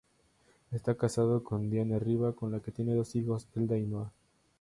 Está casado con Diana Riba, con la que tiene dos hijos: Elda y Noah.